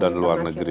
dan luar negeri